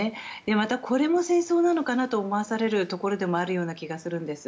また、これも戦争なのかなと思わされるところでもあるような気がするんです。